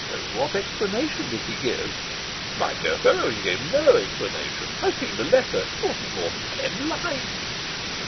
"What explanation did he give?" "My dear fellow, he gave no explanation. I've seen the letter. It wasn't more than ten lines."